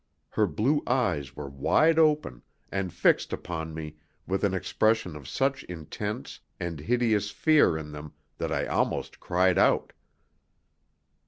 Her blue eyes were wide open, and fixed upon me with an expression of such intense and hideous fear in them that I almost cried out.